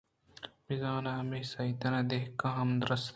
بِہ زاں ہمے ساعتاں دہقان ہم رَست